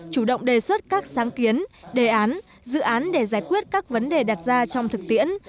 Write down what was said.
chủ động đề xuất các sáng kiến đề án dự án để giải quyết các vấn đề đặt ra trong thực tiễn